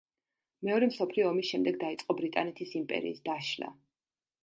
მეორე მსოფლიო ომის შემდეგ დაიწყო ბრიტანეთის იმპერიის დაშლა.